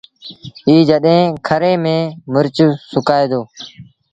ائيٚݩ جڏهيݩ کري ميݩ مرچ سُڪآئي دو